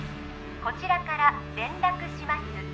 こちらから連絡します